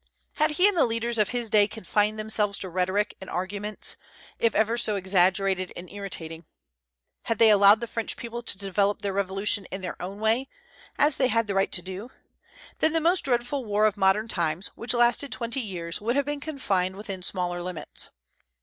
Had he and the leaders of his day confined themselves to rhetoric and arguments, if ever so exaggerated and irritating; had they allowed the French people to develop their revolution in their own way, as they had the right to do, then the most dreadful war of modern times, which lasted twenty years, would have been confined within smaller limits.